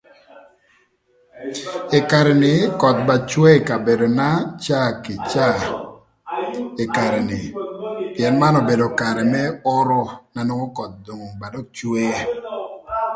Ï karë ni köth ba cwe ï kabedona caa kï caa ï karë ni pïën man obedo karë më oro na nongo karë ni koth ba dök cwe.